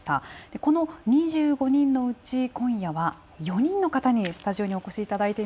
この２５人のうち今夜は４人の方にスタジオにお越しいただいています。